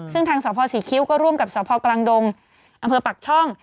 ซึ่งทางสพศรีคิ้วก็ร่วมกับสพกลางดงอำเภอปักช่อง